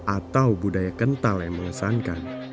atau budaya kental yang mengesankan